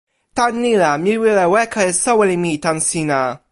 tan ni la, mi wile weka e soweli mi tan sina.